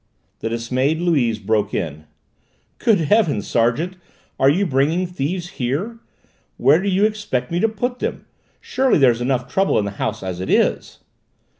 The dismayed Louise broke in. "Good heavens, sergeant, are you bringing thieves here? Where do you expect me to put them? Surely there's enough trouble in the house as it is!"